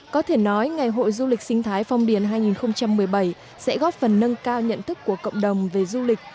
có thể nói ngày hội du lịch sinh thái phong điền hai nghìn một mươi bảy sẽ góp phần nâng cao nhận thức của cộng đồng về du lịch